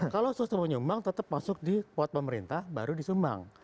kalau swasta mau nyumbang tetap masuk di kuad pemerintah baru disumbang